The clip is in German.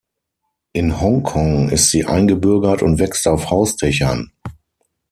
In Hong Kong ist sie eingebürgert und wächst auf Hausdächern.